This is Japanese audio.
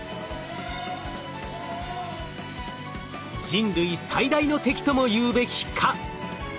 人類最大の敵ともいうべき蚊。